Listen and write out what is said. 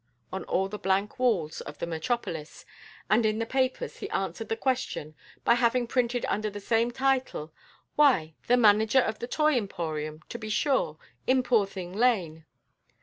on all the blank walls of the metropolis, and in the papers he answered the question by having printed under the same title, "Why, the manager of the Toy Emporium, to be sure, in Poorthing Lane."